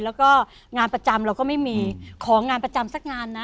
แล้วก็งานประจำเราก็ไม่มีของานประจำสักงานนะ